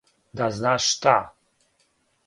Да знаш шта?